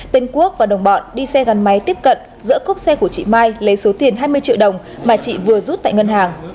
tên quốc và đồng bọn đi xe gắn máy tiếp cận giữa cốc xe của chị mai lấy số tiền hai mươi triệu đồng mà chị vừa rút tại ngân hàng